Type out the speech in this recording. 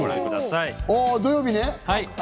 土曜日ね。